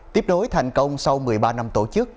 tiếp đối thành công sau một mươi ba năm tổ chức